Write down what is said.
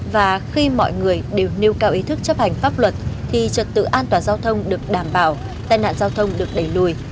và khi mọi người đều nêu cao ý thức chấp hành pháp luật thì trật tự an toàn giao thông được đảm bảo tai nạn giao thông được đẩy lùi